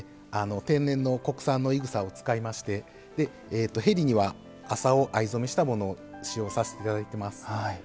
天然の国産のい草を使いまして縁には麻を藍染めしたものを使用させて頂いてます。